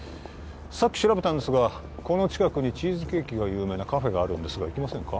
さっき調べたんですがこの近くにチーズケーキが有名なカフェがあるんですが行きませんか？